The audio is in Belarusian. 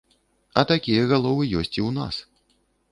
А такія галовы ёсць і ў нас.